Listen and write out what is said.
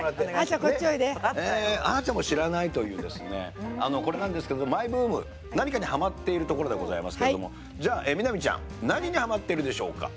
あーちゃんも知らないという、これなんですがマイブーム何かにハマっているところですけども美波ちゃん何にハマっているでしょうか？